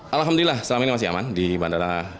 alhamdulillah selama ini masih aman di bandara